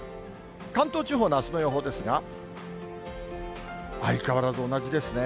関東地方のあすの予報ですが、相変わらず同じですね。